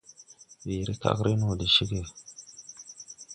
Weere kagren wɔ de cɛʼge.